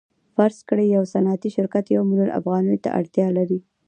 فرض کړئ یو صنعتي شرکت یو میلیون افغانیو ته اړتیا لري